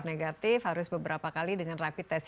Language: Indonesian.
negatif harus beberapa kali dengan rapid test